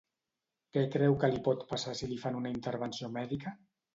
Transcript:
Què creu que li pot passar si li fan una intervenció mèdica?